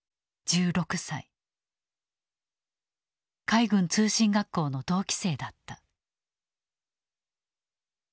海軍通信学校の同期生だった。